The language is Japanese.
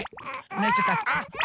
ないちゃった。